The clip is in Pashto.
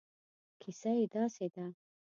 کیسه یې داسې ده.